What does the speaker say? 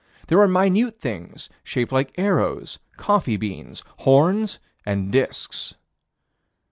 There were minute things shaped like arrows, coffee beans, horns, and disks.